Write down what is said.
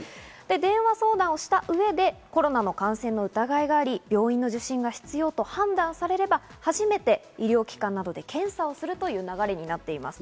電話相談した上でコロナの感染の疑いがあり、病院の受診が必要と判断されれば、初めて医療機関などで検査をするという流れになっています。